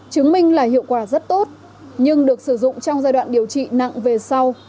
chứng minh là hiệu quả rất tốt nhưng được sử dụng trong giai đoạn điều trị nặng về sau